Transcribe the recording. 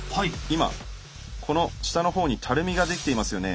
今この下の方にたるみが出来ていますよね？